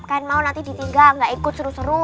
kan mau nanti ditinggal gak ikut seru seru